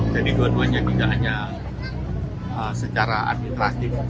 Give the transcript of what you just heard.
jadi dua duanya tidak hanya secara administrasi